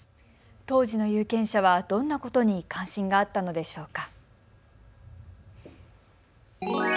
当時の有権者はどんなことに関心があったのでしょうか。